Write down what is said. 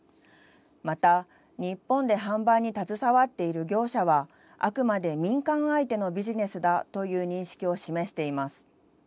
また、日本で販売に携わっている業者はあくまで民間相手のビジネスだという認識を示しています。